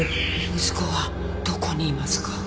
息子はどこにいますか？